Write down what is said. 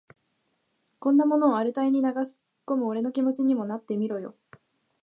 こんなものを荒れた胃に流し込む俺の気持ちにもなってみろよ。